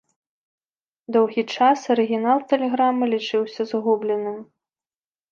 Доўгі час арыгінал тэлеграмы лічыўся згубленым.